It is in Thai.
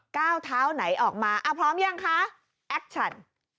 ก้าวเท้าไหนออกมาพร้อมยังคะแอคชัน